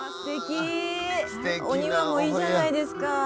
お庭もいいじゃないですか。